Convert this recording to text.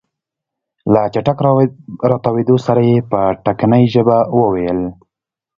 له چټک راتاوېدو سره يې په ټکنۍ ژبه وويل.